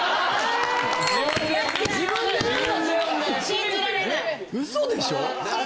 信じられない